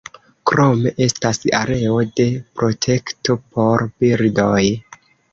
Krome estas areo de protekto por birdoj.